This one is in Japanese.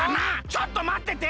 ちょっとまってて！